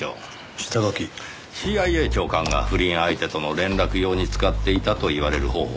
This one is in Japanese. ＣＩＡ長官が不倫相手との連絡用に使っていたと言われる方法ですねぇ。